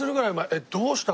えっどうした？